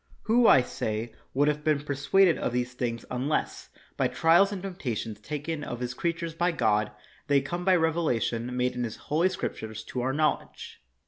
Who, I say, would have been persuaded of these things un less, by trials and temptations taken of his creatures by God, they had come by revelation made in his holy Scriptures to our knowledge